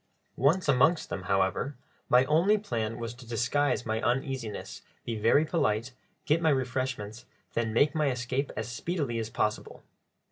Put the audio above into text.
Once amongst them, however, my only plan was to disguise my uneasiness, be very polite, get my refreshments, then make my escape as speedily as possible.